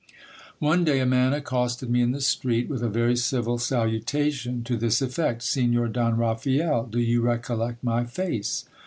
One day a man accosted me in the street, with a very civil salutation, to this effect — Signor Don Raphael, do you recollect my face?